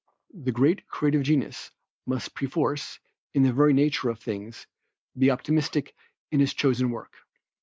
The great creative genius, must perforce, in the very nature of things, be optimistic in his chosen work.